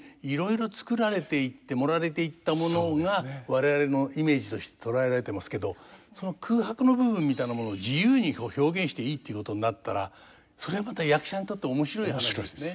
我々のイメージとして捉えられてますけどその空白の部分みたいなものを自由に表現していいっていうことになったらそれはまた役者にとって面白い話ですね。